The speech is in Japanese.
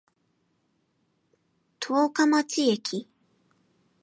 十日町駅